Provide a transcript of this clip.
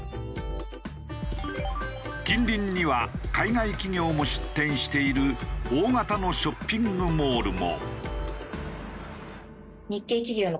近隣には海外企業も出店している大型のショッピングモールも。